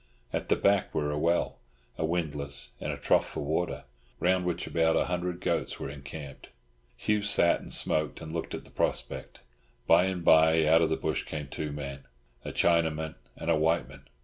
At the back were a well, a windlass, and a trough for water, round which about a hundred goats were encamped. Hugh sat and smoked, and looked at the prospect. By and by out of the bush came two men, a Chinaman and a white man.